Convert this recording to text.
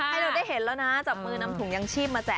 ให้เราได้เห็นแล้วนะจับมือนำถุงยังชีพมาแจก